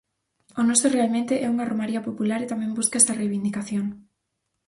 O noso realmente é unha romaría popular e tamén busca esa reivindicación.